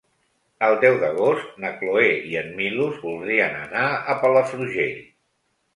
El deu d'agost na Cloè i en Milos voldrien anar a Palafrugell.